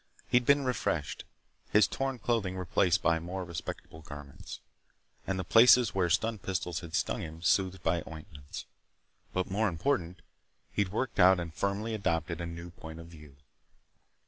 He'd been refreshed, his torn clothing replaced by more respectable garments, and the places where stun pistols had stung him soothed by ointments. But, more important, he'd worked out and firmly adopted a new point of view.